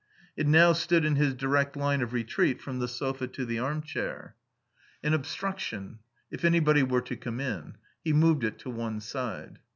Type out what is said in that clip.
It now stood in his direct line of retreat from the sofa to the armchair. An obstruction. If anybody were to come in. He moved it to one side.